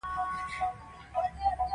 روبوټونه د ژغورنې ماموریتونو کې مرسته کوي.